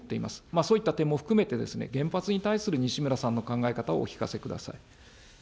そういった点も含めて、原発に対する西村さんの考え方をお聞かせください。